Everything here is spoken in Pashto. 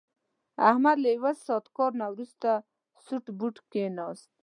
احمد له یو ساعت کار نه ورسته سوټ بوټ کېناست.